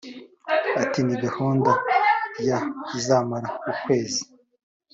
Ati “Ni gahunda ya izamara ukwezi